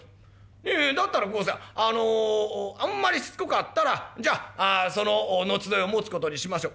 いやいやだったらこうさあのあんまりしつこかったらじゃあその後添えを持つ事にしましょう。